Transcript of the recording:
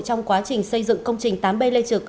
trong quá trình xây dựng công trình tám b lê trực